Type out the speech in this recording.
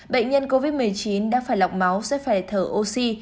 bệnh nhân covid một mươi chín đã phải lọc máu sẽ phải thở oxy